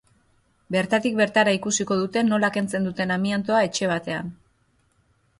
Bertatik bertara ikusiko dute nola kentzen duten amiantoa etxe batean.